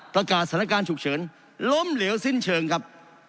สถานการณ์ฉุกเฉินล้มเหลวสิ้นเชิงครับ